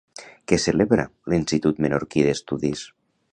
Què celebra l'Institut Menorquí d'Estudis?